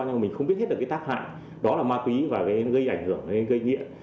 nhưng mà mình không biết hết được cái tác hại đó là ma túy và gây ảnh hưởng gây nghiện